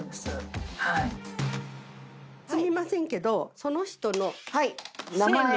すみませんけどその人の姓名。